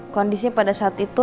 kondisinya pada saat itu